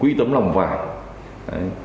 quỹ tấm lòng vải